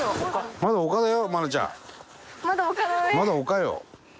まだ陸よ。